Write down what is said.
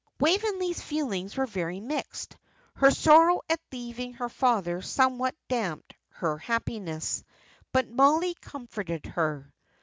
Waveney's feelings were very mixed: her sorrow at leaving her father somewhat damped her happiness; but Mollie comforted her.